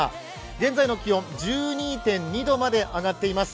現在の気温、１２．２度まで上がっています。